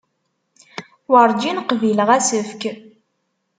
Werǧin qbileɣ asefk.